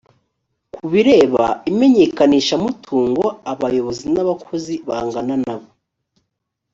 ku bireba imenyekanishamutungo abayobozi n abakozi bangana nabo